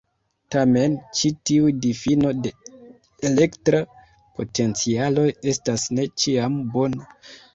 Tamen, ĉi tiu difino de elektra potencialo estas ne ĉiam bona.